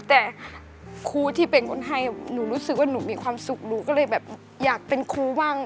แต่ครูที่เป็นคนให้หนูรู้สึกว่าหนูมีความสุขหนูก็เลยแบบอยากเป็นครูบ้าง